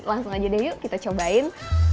langsung aja deh yuk kita cobain